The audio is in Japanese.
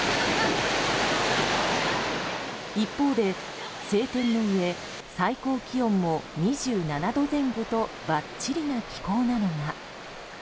一方で、晴天のうえ最高気温も２７度前後とばっちりな気候なのが。